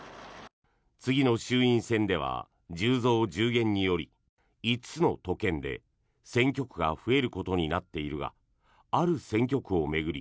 次の衆院選では１０増１０減により５つの都県で選挙区が増えることになっているがある選挙区を巡り